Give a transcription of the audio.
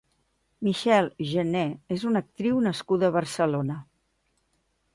Michelle Jenner és una actriu nascuda a Barcelona.